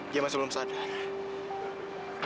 dia masih belum sadar